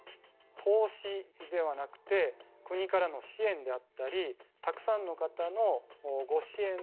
投資ではなくて国からの支援であったりたくさんの方のご支援で運営しています。